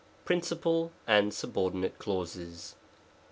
Principal and Subordinate Clauses.